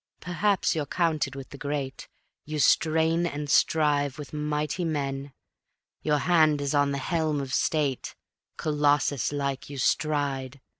Perhaps you're counted with the Great; You strain and strive with mighty men; Your hand is on the helm of State; Colossus like you stride